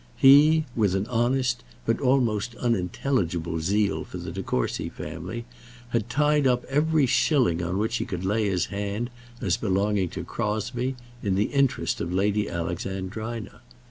He, with an honest but almost unintelligible zeal for the De Courcy family, had tied up every shilling on which he could lay his hand as belonging to Crosbie, in the interest of Lady Alexandrina.